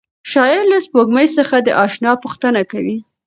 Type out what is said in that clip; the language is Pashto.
شاعر له سپوږمۍ څخه د اشنا پوښتنه کوي.